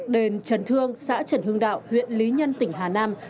đền trần thương xã trần hưng đạo huyện lý nhân tỉnh hà nam